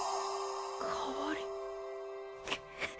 代わりっ！！